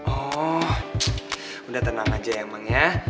oh udah tenang aja ya emang ya